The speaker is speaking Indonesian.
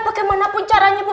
bagaimanapun caranya bu